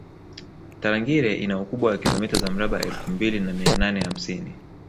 tarangire ina ukubwa wa kilomita za mraba elfu mbili na mia nane hamsini